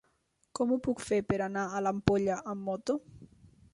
Com ho puc fer per anar a l'Ampolla amb moto?